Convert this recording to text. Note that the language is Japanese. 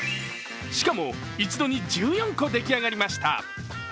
しかも一度に１４個出来上がりました。